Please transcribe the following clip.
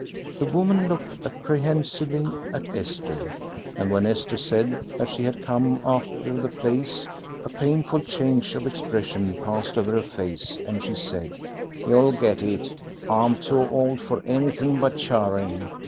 This woman looked apprehensively at Esther, and when Esther said that she had come after the place a painful change of expression passed over her face, and she said "You'll get it; I'm too old for anything but charing.